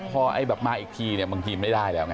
พอมาอีกทีเนี่ยบางทีไม่ได้แล้วไง